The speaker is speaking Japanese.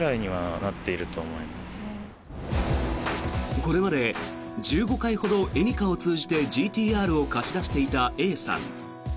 これまで１５回ほどエニカを通じてＧＴ−Ｒを貸し出していたＡさん。